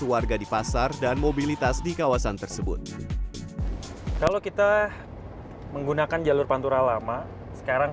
warga di pasar dan mobilitas di kawasan tersebut kalau kita menggunakan jalur pantura lama sekarang